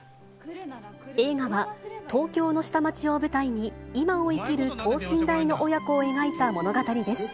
映画は、東京の下町を舞台に、今を生きる等身大の親子を描いた物語です。